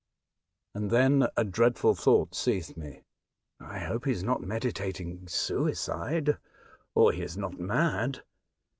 And then a dreadful thought seized me. ''I hope he is not meditating suicide, or he is not mad.